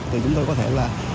thì chúng tôi có thể là